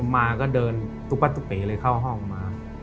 มาก็เดินตุ๊ปั๊เป๋เลยเข้าห้องมา